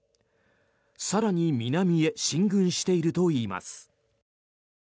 更に南へ進軍しているといいます。